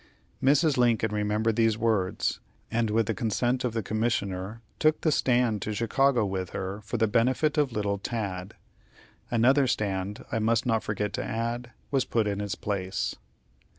Mrs. Lincoln remembered these words, and, with the consent of the Commissioner, took the stand to Chicago with her for the benefit of little Tad. Another stand, I must not forget to add, was put in its place.